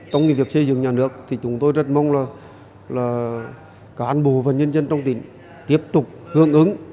trong việc xây dựng nhà nước chúng tôi rất mong cả an bộ và nhân dân trong tỉnh tiếp tục hướng ứng